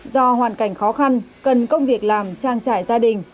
do hoàn cảnh khó khăn cần công việc làm trang trải gia đình